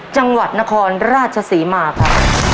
จังหวัดนครราชศรีมาครับ